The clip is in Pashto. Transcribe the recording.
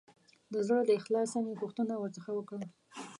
د زړه له اخلاصه مې پوښتنه ورڅخه وکړه.